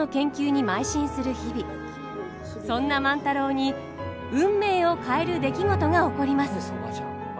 そんな万太郎に運命を変える出来事が起こります。